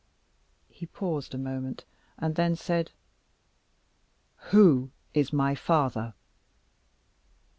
He paused a moment, and then said, "Who is my father?"